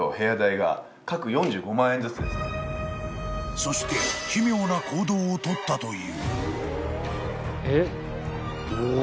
［そして奇妙な行動をとったという］